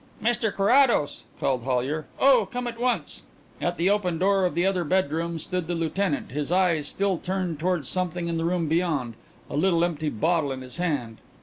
"Mr Carrados," called Hollyer, "oh, come at once." At the open door of the other bedroom stood the lieutenant, his eyes still turned towards something in the room beyond, a little empty bottle in his hand.